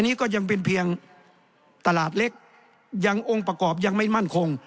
นี้ก็ยังเป็นเพียงตลาดเล็กยังองค์ประกอบยังไม่มั่นคง